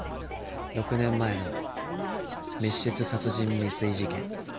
６年前の密室殺人未遂事件。